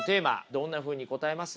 どんなふうに答えます？